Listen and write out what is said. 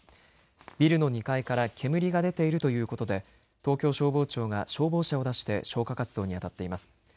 ビルの２階から煙が出ているということで東京消防庁が消防車を出して消火活動にあたっています。